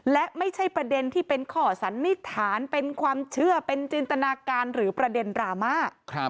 และไม่ใช่ประเด็นที่เป็นข้อสันนิษฐานเป็นความเชื่อเป็นจินตนาการหรือประเด็นดราม่า